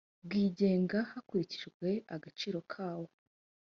bwigenga hakurikijwe agaciro kawo